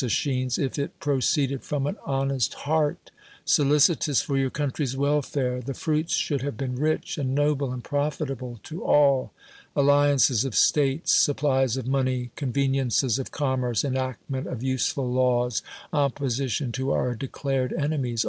^schines, if it proceeded from an honest heart, solicitous for your country's welfare, the fruits should have been rich and noble and profitable to all — alliances of states, supplies of money, con veniences of commerce, enactment of useful laws, opposition to our declared enemies.